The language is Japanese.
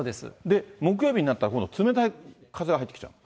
木曜日になったら、今度冷たい風が入ってきちゃう？